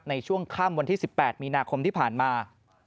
ในช่วงค่ำวันที่๑๘มีนาคมที่ผ่านมา